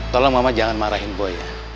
tolong mama jangan marahin boy ya